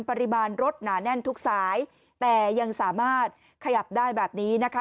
ปริมาณรถหนาแน่นทุกสายแต่ยังสามารถขยับได้แบบนี้นะคะ